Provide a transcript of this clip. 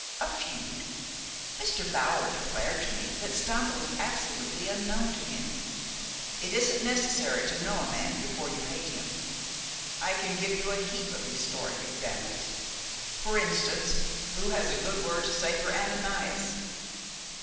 "A feud! Mr. Bower declared to me that Stampa was absolutely unknown to him." "It isn't necessary to know a man before you hate him. I can give you a heap of historic examples. For instance, who has a good word to say for Ananias?"